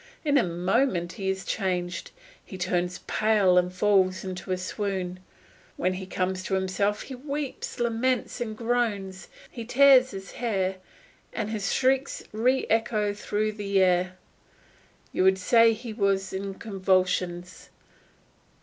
In a moment he is changed, he turns pale and falls into a swoon. When he comes to himself he weeps, laments, and groans, he tears his hair, and his shrieks re echo through the air. You would say he was in convulsions.